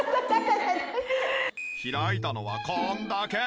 開いたのはこんだけ。